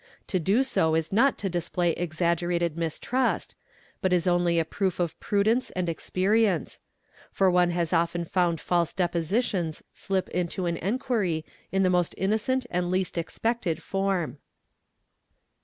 To do so is not to display exaggerated mistrust, but is only a proof of prudence and experience ; for one has often found false depositions slip into an enquiry in the most innocent and least suspected form.